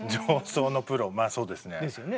まぁそうですね。